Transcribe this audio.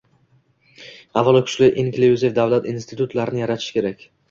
Avvalo kuchli inklyuziv davlat institutlarini yaratish kerak